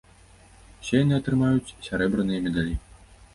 Усе яны атрымаюць сярэбраныя медалі.